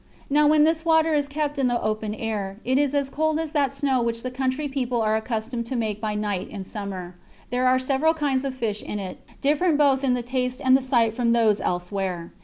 Now when this water is kept in the open air, it is as cold as that snow which the country people are accustomed to make by night in summer. There are several kinds of fish in it, different both to the taste and the sight from those elsewhere.